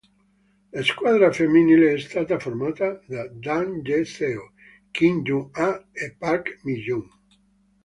La squadra femminile è stata formata da Dang Ye-Seo, Kim Kyung-Ah e Park Mi-Young.